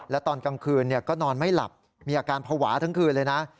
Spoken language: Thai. และตอนกลางคืนก็นอนไม่หลับมีอาการภาวะทั้งคืนเลยนะ